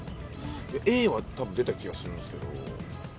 Ａは多分出た気がするんですけど